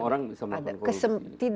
orang bisa melakukan korupsi